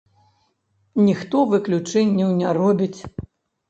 Ніхто выключэнняў не робіць.